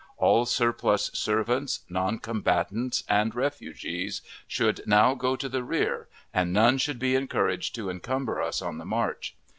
All surplus servants, noncombatants, and refugees, should now go to the rear, and none should be encouraged to encumber us on the march.